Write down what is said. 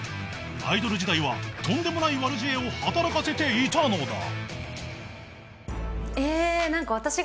アイドル時代はとんでもない悪知恵を働かせていたのだ］